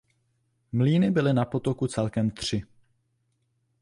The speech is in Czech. Mlýny byly na potoku celkem tři.